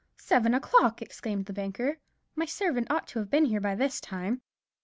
"Seven o'clock," exclaimed the banker; "my servant ought to be here by this time."